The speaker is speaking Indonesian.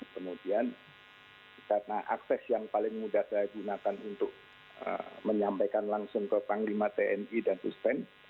kemudian karena akses yang paling mudah saya gunakan untuk menyampaikan langsung ke panglima tni dan usten